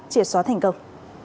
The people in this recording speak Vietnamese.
triệt xóa thành công